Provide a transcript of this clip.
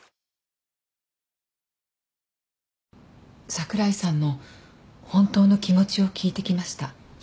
櫻井さんの本当の気持ちを聞いてきました。